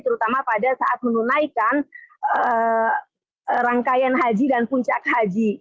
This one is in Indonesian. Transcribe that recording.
terutama pada saat menunaikan rangkaian haji dan puncak haji